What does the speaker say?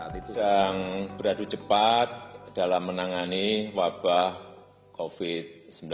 tidak beradu cepat dalam menangani wabah covid sembilan belas